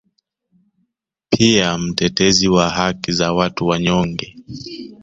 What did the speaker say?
Pia mtetezi wa haki za watu wanyonge